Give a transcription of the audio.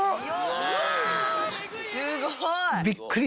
「すごい！」